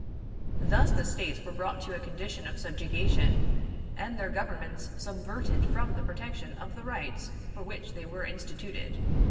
Thus the States were brought to a condition of subjugation, and their governments subverted from the protection of the rights for which they were instituted.